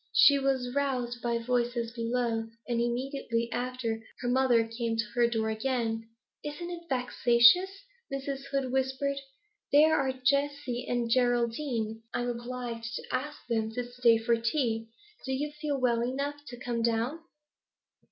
She was roused by voices below, and, immediately after, her mother came to her door again. 'Isn't it vexatious?' Mrs. Hood whispered. 'Here are Jessie and Geraldine. I'm obliged to ask them to stay tea. Do you feel well enough to come down?'